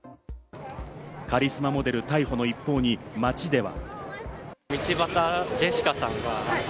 カリスマモデル逮捕の一報に街では。